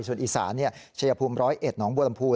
ส่วนอีสานี่เฉยภูมิ๑๐๑หนองบูรรมภูร์